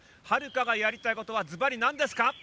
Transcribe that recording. はるかがやりたいことはずばりなんですか？